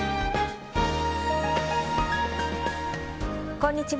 こんにちは。